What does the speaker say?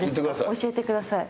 教えてください。